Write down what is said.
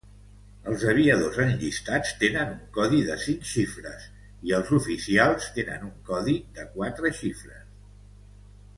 Els aviadors enllistats tenen un codi de cinc xifres i els oficials tenen un codi de quatre xifres.